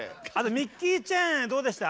ミッチーチェンどうでした？